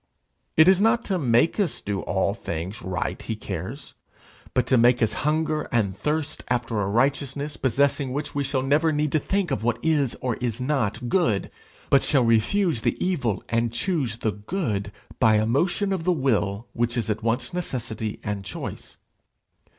It is not to make us do all things right he cares, but to make us hunger and thirst after a righteousness possessing which we shall never need to think of what is or is not good, but shall refuse the evil and choose the good by a motion of the will which is at once necessity and choice.